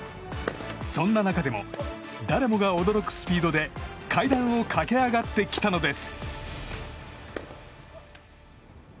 そんな中でも誰もが驚くスピードで階段を駆け上がってきたのです。